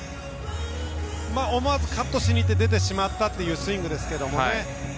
思わずカットしに出てしまったというスイングですね。